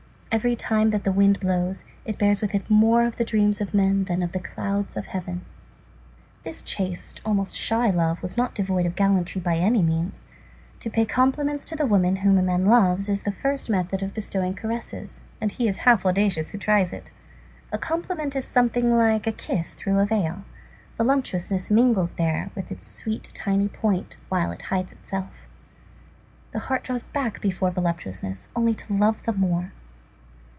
Every time that the wind blows it bears with it more of the dreams of men than of the clouds of heaven. This chaste, almost shy love was not devoid of gallantry, by any means. To pay compliments to the woman whom a man loves is the first method of bestowing caresses, and he is half audacious who tries it. A compliment is something like a kiss through a veil. Voluptuousness mingles there with its sweet tiny point, while it hides itself. The heart draws back before voluptuousness only to love the more.